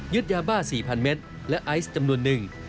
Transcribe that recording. ยาบ้า๔๐๐เมตรและไอซ์จำนวนหนึ่ง